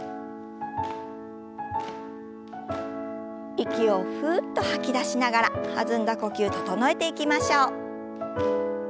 息をふうっと吐き出しながら弾んだ呼吸整えていきましょう。